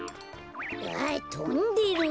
あっとんでる。